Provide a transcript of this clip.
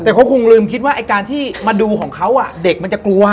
แต่เขาคงลืมคิดว่าไอ้การที่มาดูของเขาเด็กมันจะกลัว